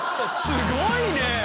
すごいね！